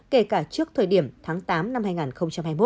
kể cả trước thời điểm tháng tám năm hai nghìn hai mươi một